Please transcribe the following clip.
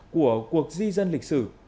của cuộc di dân lịch sử